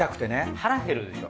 腹減るでしょ。